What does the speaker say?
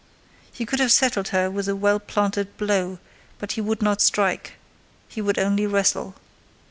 He could have settled her with a well planted blow; but he would not strike: he would only wrestle.